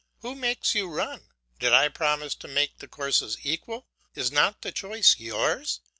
Who makes you run? Did I promise to make the courses equal? Is not the choice yours?